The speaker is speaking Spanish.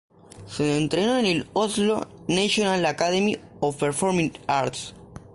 Se entrenó en el "Oslo National Academy of Performing Arts".